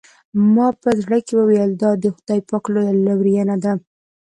ما په زړه کې وویل دا د خدای پاک لویه لورېینه ده.